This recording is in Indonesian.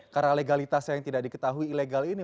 karena legalitasnya yang tidak diketahui ilegal ini